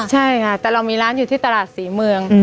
ใช่ค่ะแต่เรามีร้านอยู่ที่ตลาดศรีเมือง